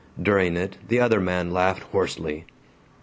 During it the other man laughed hoarsely.